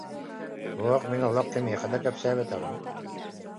Суох, мин олох кимиэхэ да кэпсээбэтэҕим